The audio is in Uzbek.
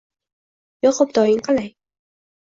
- Yoqimtoying qalay?